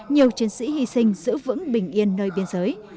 nhiều chiến sĩ hy sinh giữ vững bình yên nơi biên giới